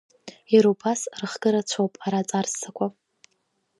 Иара убас рыхкы рацәоуп ара аҵар ссақәа.